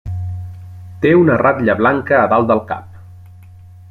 Té una ratlla blanca a dalt del cap.